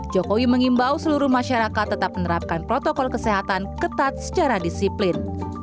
jokowi mengimbau seluruh masyarakat tetap menerapkan protokol kesehatan ketat secara disiplin